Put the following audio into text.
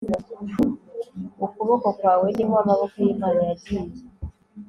Ukuboko kwawe niho amaboko yImana yagiye